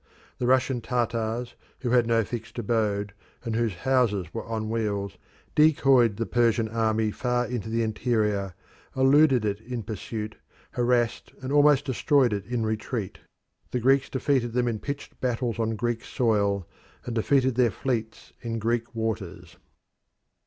The Russian Tartars, who had no fixed abode and whose houses were on wheels, decoyed the Persian army far into the interior, eluded it in pursuit, harassed and almost destroyed it in retreat. The Greeks defeated them in pitched battles on Greek soil, and defeated their fleets in Greek waters.